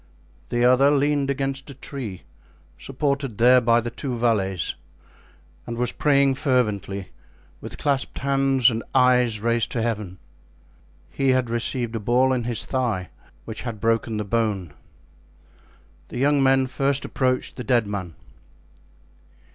The other leaned against a tree, supported there by the two valets, and was praying fervently, with clasped hands and eyes raised to Heaven. He had received a ball in his thigh, which had broken the bone. The young men first approached the dead man.